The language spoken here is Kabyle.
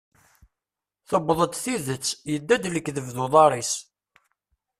Tewweḍ-d tidet, yedda-d lekdeb d uḍar-is.